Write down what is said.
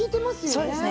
そうですね。